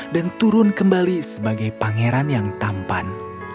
dan turun kembali sebagai pangeran yang tampan